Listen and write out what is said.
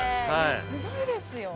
すごいですよ。